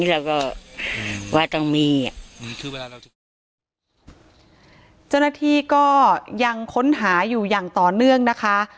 แล้วก็ว่าต้องมีอืมคือเวลาจนที่ก่อนยังค้นหาอยู่อย่างต่อเนื่องนะคะ